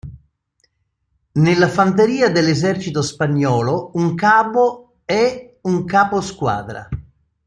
Nella fanteria dell'Esercito spagnolo un cabo è un capo squadra.